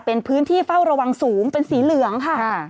เป็นพื้นที่เฝ้าระวังสูงเป็นสีเหลืองค่ะ